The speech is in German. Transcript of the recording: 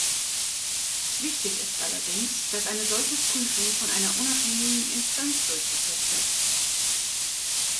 Wichtig ist allerdings, dass eine solche Prüfung von einer unabhängigen Instanz durchgeführt wird.